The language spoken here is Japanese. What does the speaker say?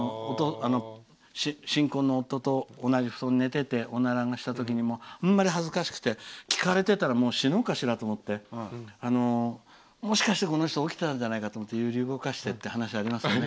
新婚の夫と同じ布団に寝てておならをしたときにあまりに恥ずかしくて聞かれてたら死のうかしらと思ってもしかして、この人起きたんじゃないかって思って揺り動かしてって話がありますよね。